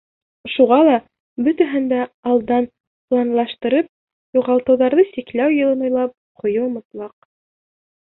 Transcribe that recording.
Шуға ла бөтәһен дә алдан планлаштырып, юғалтыуҙарҙы сикләү юлын уйлап ҡуйыу мотлаҡ.